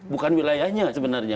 bukan wilayahnya sebenarnya